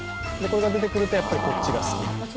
これが出てくると、やっぱりこっちが好き。